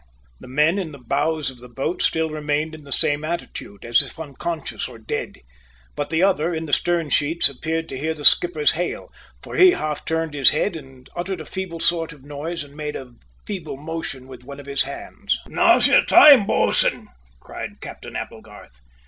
The men in the bows of the boat still remained in the same attitude, as if unconscious or dead; but the other in the stern sheets appeared to hear the skipper's hail, for he half turned his head and uttered a feeble sort of noise and made a feeble motion with one of his hands. "Now's your time, bo'sun!" cried Captain Applegarth.